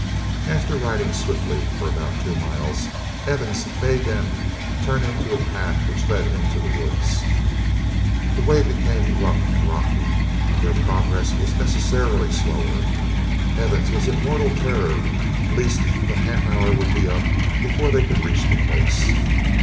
After riding swiftly for about two miles, Evans bade them turn into a path which led into the woods. The way became rough and rocky, and their progress was necessarily slower. Evans was in mortal terror lest the half hour would be up before they could reach the place.